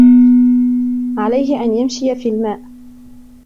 عليه أن يمشي في الماء.